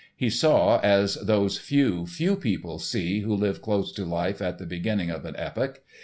He saw, as those few, few people see who live close to life at the beginning of an epoch.